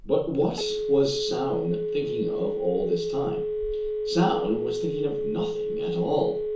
• But what was Soun thinking of all this time t Soun was thinking of nothing at all.